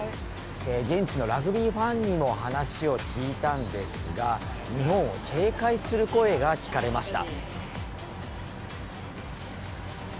現地のラグビーファンにも話を聞いたんですが、日本を警戒する声が聞かれました。